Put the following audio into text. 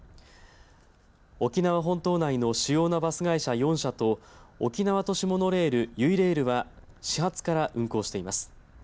沖縄本島内の主要なバス会社４社と沖縄都市モノレールゆいレールは始発から運行しています。